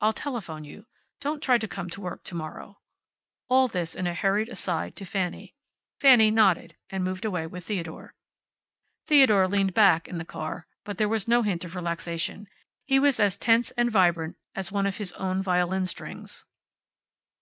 I'll telephone you. Don't try to come to work to morrow." All this is a hurried aside to Fanny. Fanny nodded and moved away with Theodore. Theodore leaned back in the car, but there was no hint of relaxation. He was as tense and vibrant as one of his own violin strings.